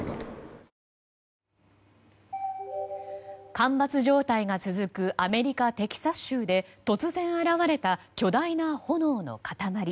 干ばつ状態が続くアメリカ・テキサス州で突然現れた巨大な炎の塊。